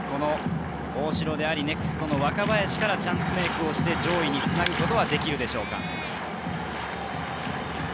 大城であり、ネクストの若林からチャンスメークをして、上位につなぐことができるでしょうか。